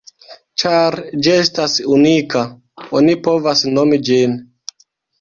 Ĉar ĝi estas unika, oni povas nomi ĝin.